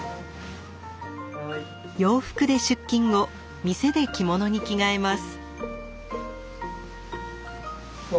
洋服で出勤後店で着物に着替えます。